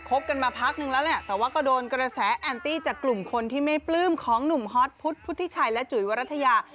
บกันมาพักนึงแล้วแหละแต่ว่าก็โดนกระแสแอนตี้จากกลุ่มคนที่ไม่ปลื้มของหนุ่มฮอตพุทธพุทธิชัยและจุ๋ยวรัฐยา